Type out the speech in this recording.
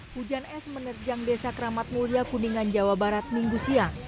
hujan es menerjang desa keramat mulia kuningan jawa barat minggu siang